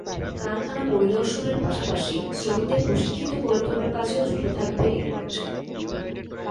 কারখানা পরিদর্শনের পাশাপাশি শ্রমিকদের প্রশিক্ষিত করে তোলার কাজেও যুক্ত থাকবে এলিভেট।